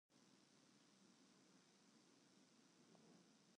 Nimmen hat in biologyske klok mei in deilingte fan persiis fjouwerentweintich oeren.